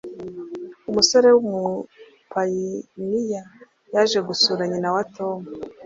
umusore w umupayiniya yaje gusura nyina wa tom